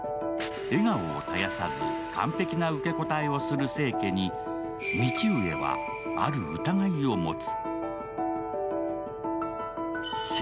笑顔を絶やさず完璧な受け答えをする清家に道上は、ある疑いを持つ。